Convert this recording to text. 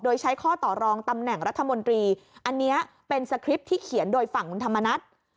โดยใช้ข้อต่อรองตำแหน่งรัฐมนตรีอันนี้เป็นสคริปต์ที่เขียนโดยฝั่งคุณธรรมนัฐ